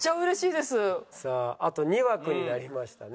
さああと２枠になりましたね。